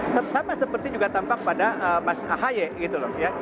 sama seperti juga tampak pada mas ahaye gitu loh ya